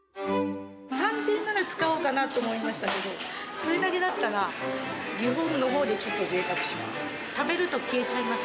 ３０００円なら使おうかなと思いましたけど、これだけあったら、リフォームのほうでぜいたくします。